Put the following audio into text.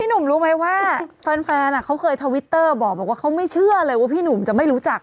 หนุ่มรู้ไหมว่าแฟนเขาเคยทวิตเตอร์บอกว่าเขาไม่เชื่อเลยว่าพี่หนุ่มจะไม่รู้จัก